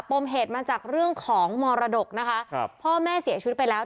มเหตุมาจากเรื่องของมรดกนะคะครับพ่อแม่เสียชีวิตไปแล้ว